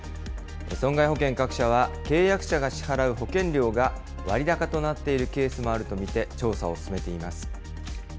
損害保険各社は、契約者が支払う保険料が割高となっているケースもあると見て、調査を進めています。